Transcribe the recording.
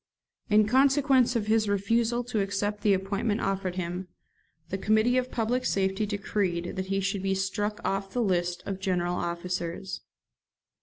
In consequence of his refusal to accept the appointment offered him, the Committee of Public Safety decreed that he should be struck off the list of general officers.